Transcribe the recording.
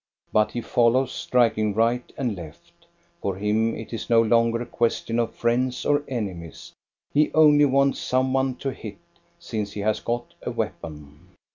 But he follows, striking right and left. For him it is no longer a question of friends or enemies: he only wants some one to hit, since he has got a weapon.